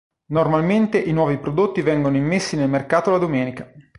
Normalmente i nuovi prodotti vengono immessi nel mercato la domenica.